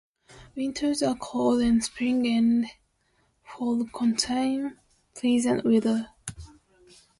Winters are cold and Spring and Fall contain pleasant weather.